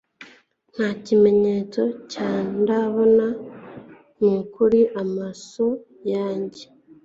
nta kimenyetso cye ndabona ... nukuri amaso yanjye